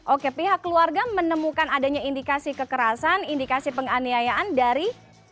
oke pihak keluarga menemukan adanya indikasi kekerasan indikasi penganiayaan dari